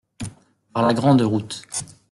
Par la grande route.